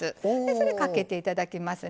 それかけて頂きますね。